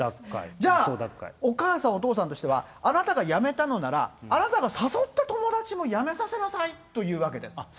じゃあ、お母さん、お父さんとしては、あなたが辞めたのなら、あなたが誘った友達も辞めさせなさいというわけです。